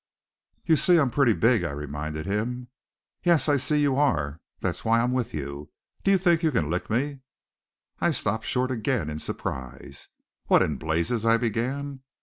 "You see I'm pretty big " I reminded him. "Yes, I see you are. That's why I'm with you. Do you think you can lick me?" I stopped short again, in surprise. "What in blazes " I began.